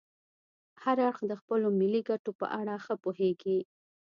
هر اړخ د خپلو ملي ګټو په اړه ښه پوهیږي